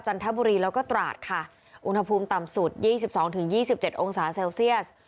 ทบุรีแล้วก็ตราดค่ะอุณหภูมิต่ำสุดยี่สิบสองถึงยี่สิบเจ็ดองศาเซลเซียส